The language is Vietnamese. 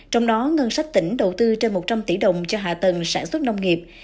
trong đó ngân sách tỉnh đầu tư trên một trăm linh tỷ đồng cho hạ tầng sản xuất nông nghiệp